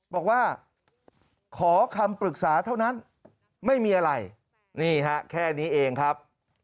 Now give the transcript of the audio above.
บอกว่าขอคำปรึกษาเท่านั้นไม่มีอะไรนี่ฮะแค่นี้เองครับ